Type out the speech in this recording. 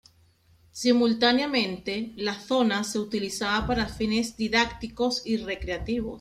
Simultáneamente, la zona se utilizaba para fines didácticos y recreativos.